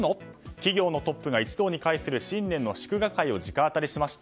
企業のトップが一堂に会する新年の祝賀会を直アタリしました。